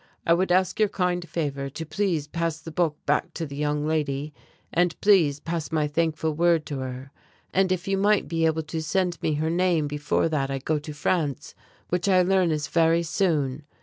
I would ask your kind favor to please pass the book back to the Young Lady, and pleas pass my thankful word to her, and if you might be able to send me her name before that I go to France, which I learn is very soon.